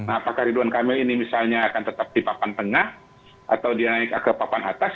apakah ridwan kamil ini misalnya akan tetap di papan tengah atau dia naik ke papan atas